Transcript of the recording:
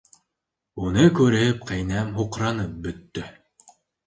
Уны күреп, ҡәйнәм һуҡранып бөттө.